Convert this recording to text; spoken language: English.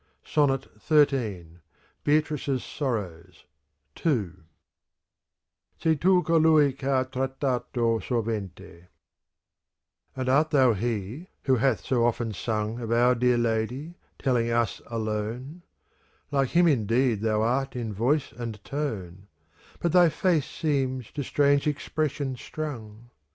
^.Y' SONNET XIII U )•¥ '"Vi Beatrice's sorrow (2) Se' tu colui c' ha trattato swente "And art thou he, who hath so often sung Of our dear Lady, telling us alone ? Like him indeed thou art in voice and tone, But thy face seems to strange expression strung.